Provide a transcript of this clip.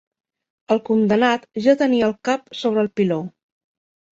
El condemnat ja tenia el cap sobre el piló.